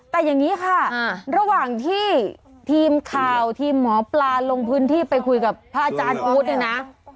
แต่อย่างนี้ค่ะระหว่างที่ทีมข่าวทีมหมอปลาลงพื้นที่ไปคุยกับพระอาจารย์อู๊ดเนี่ยนะ